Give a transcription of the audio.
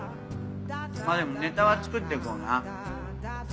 まぁでもネタは作っていこうな。